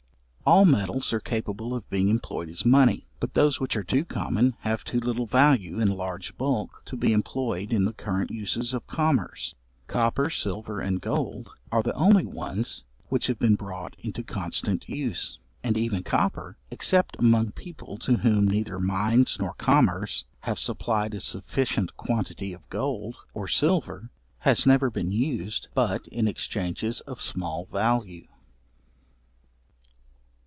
All metals are capable of being employed as money. But those which are too common have too little value in a large bulk to be employed in the current uses of commerce. Copper, silver, and gold, are the only ones which have been brought into constant use. And even copper, except among people to whom neither mines nor commerce have supplied a sufficient quantity of gold or silver, has never been used but in exchanges of small value.